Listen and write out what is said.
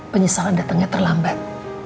penyesalan datangnya terlambat